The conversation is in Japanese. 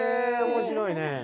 面白いね。